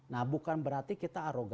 nah bukan berarti kita arogan